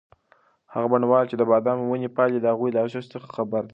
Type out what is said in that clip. هغه بڼوال چې د بادامو ونې پالي د هغوی له ارزښت څخه خبر دی.